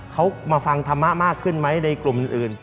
เขามาฟังธรรมะมากขึ้นไหมในกลุ่มอื่น